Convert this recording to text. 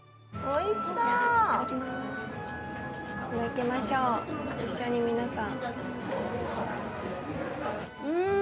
いただきましょう一緒に皆さん